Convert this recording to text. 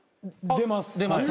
出ます。